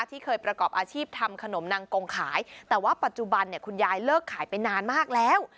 ที่เคยประกอบอาชีพทำขนมนางกงขายแต่ว่าปัจจุบันเนี่ยคุณยายเลิกขายไปนานมากแล้ว